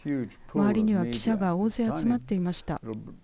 周りには記者が大勢、集まっていました。